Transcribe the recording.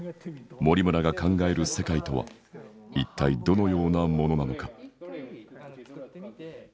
森村が考える世界とは一体どのようなものなのか？